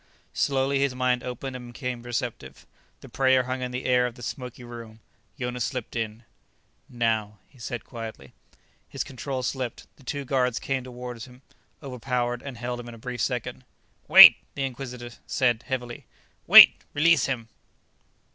Slowly, his mind opened and became receptive. The prayer hung in the air of the smoky room. Jonas slipped in "Now," he said quietly. His control slipped. The two guards came toward him, overpowered and held him in a brief second "Wait," the Inquisitor said heavily. "Wait. Release him."